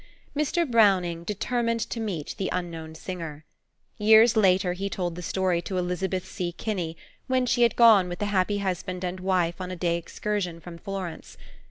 Mr. Browning determined to meet the unknown singer. Years later he told the story to Elizabeth C. Kinney, when she had gone with the happy husband and wife on a day's excursion from Florence.